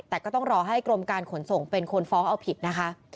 แต่ก็ต้องรอให้กรมการขนส่งเป็นคนฟ้องเอาผิดนะคะ